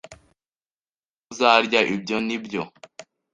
Ntabwo uzarya ibyo, nibyo?